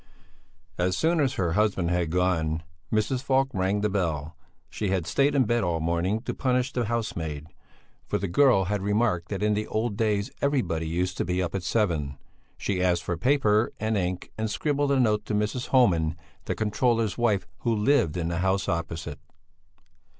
As soon as her husband had gone, Mrs. Falk rang the bell; she had stayed in bed all the morning to punish the housemaid, for the girl had remarked that in the old days everybody used to be up at seven. She asked for paper and ink and scribbled a note to Mrs. Homan, the controller's wife, who lived in the house opposite.